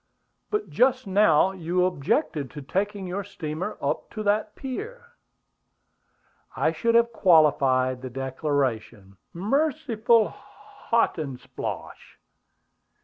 "But just now you objected to taking your steamer up to that pier." "I should have qualified the declaration " "Merciful Hotandsplosh!"